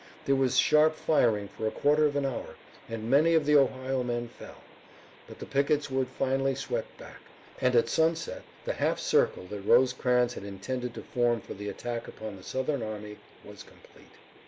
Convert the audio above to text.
There was sharp firing for a quarter of an hour, and many of the Ohio men fell, but the pickets were finally swept back, and at sunset the half circle that Rosecrans had intended to form for the attack upon the Southern army was complete.